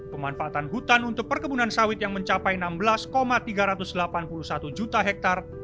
pemanfaatan hutan untuk perkebunan sawit yang mencapai enam belas tiga ratus delapan puluh satu juta hektare